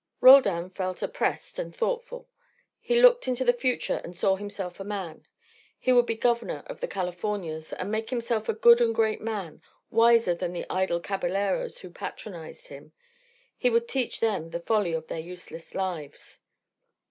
Roldan felt oppressed and thoughtful. He looked into the future and saw himself a man. He would be governor of the Californias, and make himself a good and great man, wiser than the idle caballeros who patronised him; he would teach them the folly of their useless lives.